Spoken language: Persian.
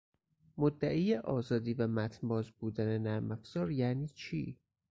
مدعی آزادی و متنباز بودن نرمافزار یعنی چی؟